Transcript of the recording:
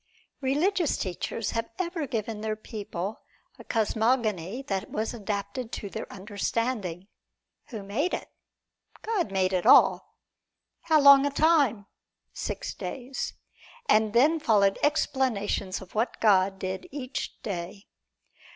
Religious teachers have ever given to their people a cosmogony that was adapted to their understanding. Who made it? God made it all. In how long a time? Six days. And then followed explanations of what God did each day.